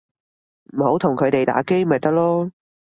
唔好同佢哋打機咪得囉